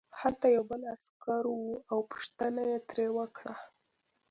هلته یو بل عسکر و او پوښتنه یې ترې وکړه